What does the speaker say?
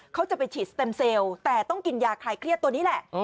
เขาจะไปฉีดสเต็มเซลล์แต่ต้องกินยาคลายเครียดตัวนี้แหละ